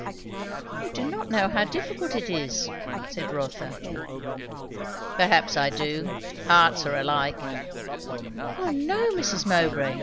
"You do not know how difficult it is," said Rotha. "Perhaps I do. Hearts are alike." "O no, Mrs. Mowbray!"